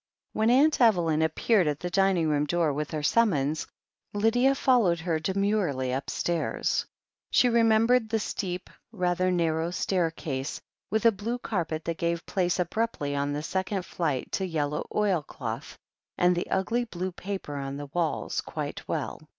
When Aunt Evelyn appeared at the dining room door with her summons, Lydia followed her demurely upstairs. She remembered the steep, rather narrow staircase, with a blue carpet that gave place abruptly on the second flight to yellow oilcloth, and the ugly blue paper on the walls, quite well.